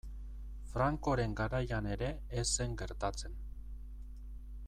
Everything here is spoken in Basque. Francoren garaian ere ez zen gertatzen.